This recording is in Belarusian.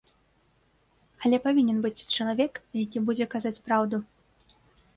Але павінен быць чалавек, які будзе казаць праўду.